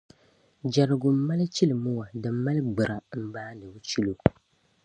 Jɛrigu m-mali chilimua din mali gbura m-baani o chilo.